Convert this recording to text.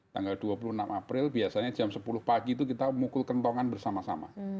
tanggal dua puluh enam april biasanya jam sepuluh pagi itu kita mukul kentongan bersama sama